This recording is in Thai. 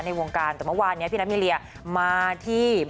ในวงการแต่เมื่อวานนี้พี่นัทมิเรียมาที่